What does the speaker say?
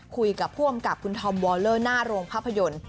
คุยกับผู้อำกับคุณธอมวอลเลอร์หน้าโรงภาพยนตร์